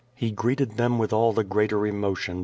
He greeted Ihoni with all the greater emotion l)eeaus.?